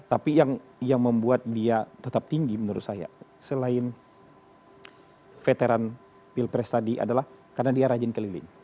tapi yang membuat dia tetap tinggi menurut saya selain veteran pilpres tadi adalah karena dia rajin keliling